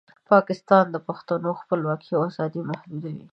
پاکستان د پښتنو خپلواکۍ او ازادۍ محدودوي.